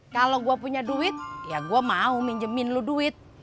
kalau gue punya duit ya gue mau minjemin lu duit